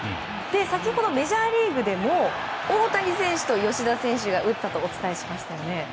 先ほど、メジャーリーグでも大谷選手と吉田選手が打ったとお伝えしましたよね。